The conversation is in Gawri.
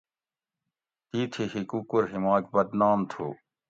تِتھی ہکوکور ہیماک بدنام تھو